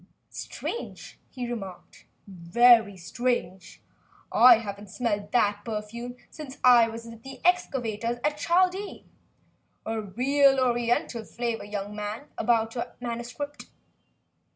"Strange," he remarked, "very strange. I haven't smelt that perfume since I was with the excavators at Chaldea. A real Oriental flavor, young man, about your manuscript."